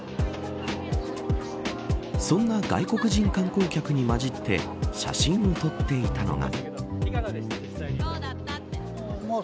そんな外国人観光客に交じって写真を撮っていたのが。